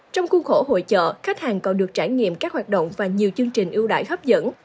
trong khuôn khổ hội chợ khách hàng còn được trải nghiệm các hoạt động và nhiều chương trình ưu đại hấp dẫn